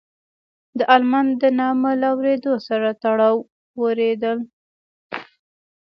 د المان د نامه له اورېدو سره ټول وېرېدل.